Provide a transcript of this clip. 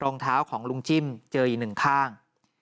รองเท้าของลุงจิ้มเจออยู่หนึ่งข้าง